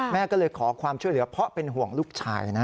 แม่ก็เลยขอความช่วยเหลือเพราะเป็นห่วงลูกชายนะ